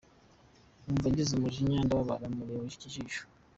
Numva ngize umujinya , ndababara mureba ikijisho.